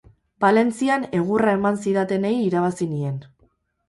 Valentzian egurra eman zidatenei irabazi nien.